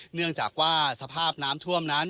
เนื่องจากว่าสภาพน้ำท่วมนั้น